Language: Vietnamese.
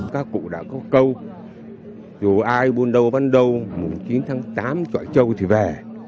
các cụ đã có câu dù ai buôn đầu bán đầu chín tháng tám trọi trâu thì về